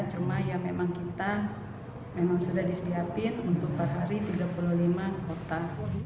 cuma ya memang kita memang sudah disiapin untuk empat hari tiga puluh lima kota